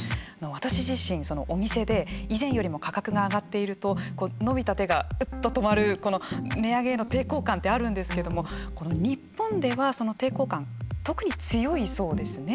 私自身、お店で以前よりも価格が上がっていると伸びた手が、うっと止まる値上げへの抵抗感ってあるんですけども、日本ではその抵抗感、特に強いそうですね。